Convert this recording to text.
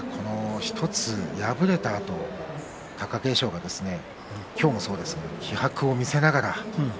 １つ敗れたあと貴景勝が今日もそうですが気迫を見せました。